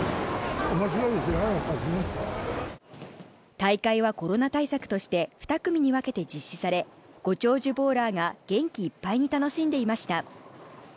大会はコロナ対策として２組に分けて実施され、ご長寿ボウラーが元気いっぱいに楽しんでいました。